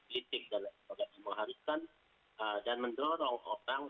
politik dan sebagainya yang diharuskan dan mendorong orang